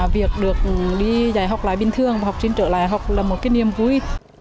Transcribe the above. việc được đi dạy học lại bình thường và học sinh trở lại học là một cái niềm vui